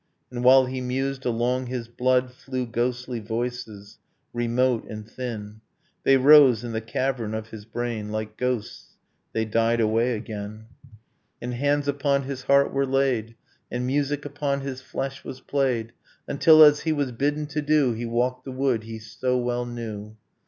. And while he mused, along his blood Flew ghostly voices, remote and thin, They rose in the cavern of his brain, Like ghosts they died away again; And hands upon his heart were laid, And music upon his flesh was played, Until, as he was bidden to do, He walked the wood he so well knew.